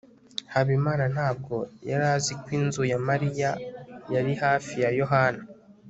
habimana ntabwo yari azi ko inzu ya mariya yari hafi ya yohana